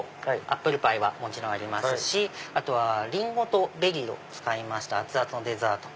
アップルパイはもちろんありますしリンゴとベリーを使いました熱々のデザート。